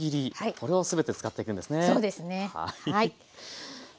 これを全て使っていくんですね。